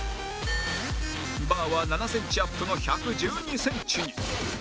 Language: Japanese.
バーは７センチアップの１１２センチに